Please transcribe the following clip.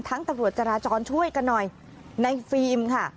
ตำรวจจราจรช่วยกันหน่อยในฟิล์มค่ะ